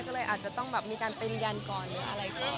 ก็เลยอาจจะต้องแบบมีการตียันก่อนหรืออะไรก่อน